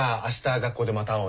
学校でまた会おうね。